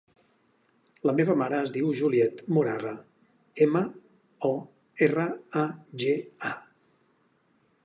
La meva mare es diu Juliette Moraga: ema, o, erra, a, ge, a.